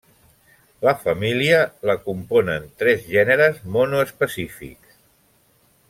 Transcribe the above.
La família la component tres gèneres monoespecífics.